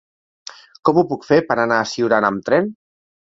Com ho puc fer per anar a Siurana amb tren?